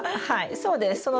はいそうです。